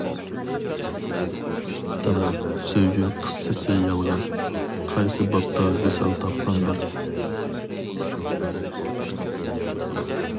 تامام سۆيگۈ قىسسىسى يالغان، قايسى بابتا ۋىسال تاپقان بار.